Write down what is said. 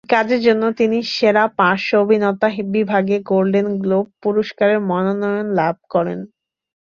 এই কাজের জন্য তিনি সেরা পার্শ্ব অভিনেতা বিভাগে গোল্ডেন গ্লোব পুরস্কারের মনোনয়ন লাভ করেন।